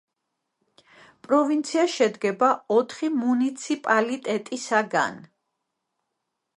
პროვინცია შედგება ოთხი მუნიციპალიტეტისგან.